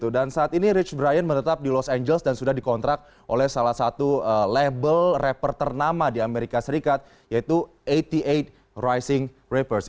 dan saat ini rich brian menetap di los angeles dan sudah dikontrak oleh salah satu label rapper ternama di amerika serikat yaitu delapan puluh delapan rising rappers